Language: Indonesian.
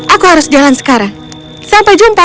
aku harus jalan sekarang sampai jumpa